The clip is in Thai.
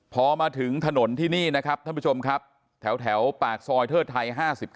พอมาถึงถนนที่นี่นะครับท่านผู้ชมครับแถวปากซอยเทิดไทย๕๙